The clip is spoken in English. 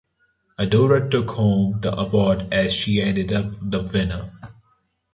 Adora took home the award as she ended up the winner.